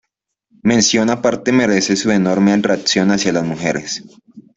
Mención aparte merece su enorme atracción hacia las mujeres.